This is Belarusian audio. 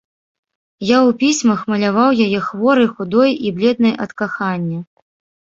Я ў пісьмах маляваў яе хворай, худой і бледнай ад кахання.